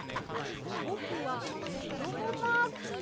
ぼくはこどもマーキーだＹＯ！」。